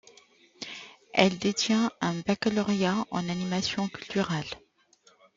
Elle détient un baccalauréat en animation culturelle.